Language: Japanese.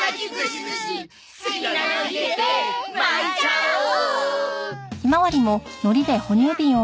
「好きなの入れて巻いちゃおう」